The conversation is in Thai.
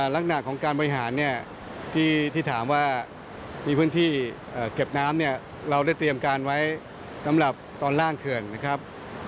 ลักษณะของการบริหารเนี่ยที่ถามว่ามีพื้นที่เก็บน้ำเนี่ยเราได้เตรียมการไว้สำหรับตอนล่างเขื่อนนะครับ